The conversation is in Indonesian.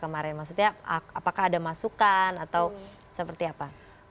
maksudnya apakah ada masukan atau seperti apa